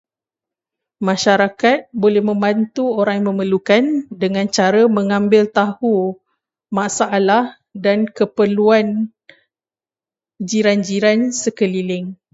Masyarakat boleh membantu orang yang memerlukan dengan cara mengambil tahu masalah dan keperluan jiran-jiran sekeliling.